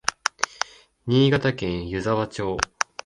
新潟県湯沢町